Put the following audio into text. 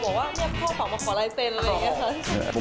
บอกว่าพ่อฝากมาขอลายเซ็นอะไรอย่างนี้